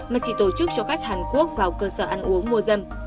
mà chỉ tổ chức cho khách hàn quốc vào cơ sở ăn uống mua dâm